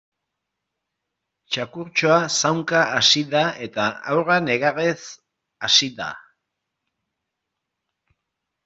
Txakurtxoa zaunka hasi da eta haurra negarrez hasi da.